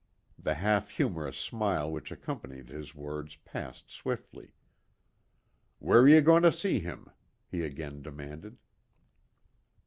The half humorous smile which accompanied his words passed swiftly. "Where are you going to see him?" he again demanded.